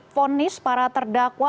fonis para terdakwa